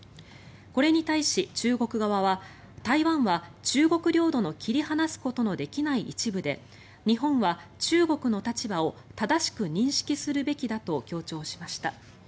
これに対し、中国側は台湾は中国領土の切り離すことのできない一部で日本は中国の立場を正しく認識するべきだと強調しました。